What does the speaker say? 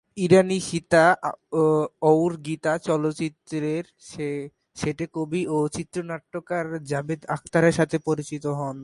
ইরানি "সীতা অউর গীতা" চলচ্চিত্রের সেটে কবি ও চিত্রনাট্যকার জাভেদ আখতারের সাথে পরিচিত হন।